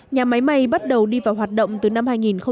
nhà máy máy bắt đầu đi vào hoạt động từ năm hai nghìn một mươi bảy